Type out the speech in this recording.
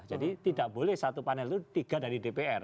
jadi tidak boleh satu panel itu tiga dari dpr